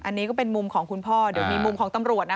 อันนี้ก็เป็นมุมของคุณพ่อเดี๋ยวมีมุมของตำรวจนะคะ